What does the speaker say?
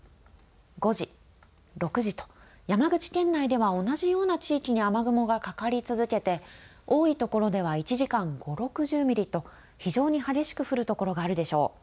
５時、６時と山口県内では同じような地域に雨雲がかかり続けて多いところでは１時間５、６０ミリと非常に激しく降る所があるでしょう。